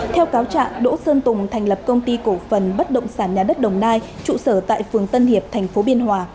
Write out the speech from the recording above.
theo cáo trạng đỗ sơn tùng thành lập công ty cổ phần bất động sản nhà đất đồng nai trụ sở tại phường tân hiệp tp biên hòa